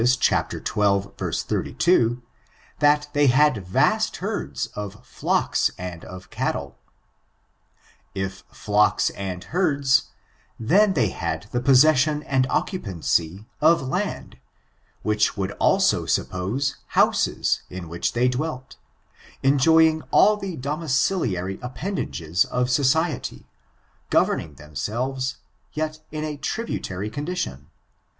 xii, 32, that they had vast herds of flocks and of ccUtle, If flocks and herds, then they had the possession and occupancy oflatid^ which would also suppose houses, in which they dwelt, en joying ail the domiciliary appendages of society, gov erning themselves, yet in a tributary condition.